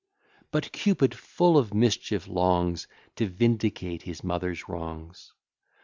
But Cupid, full of mischief, longs To vindicate his mother's wrongs.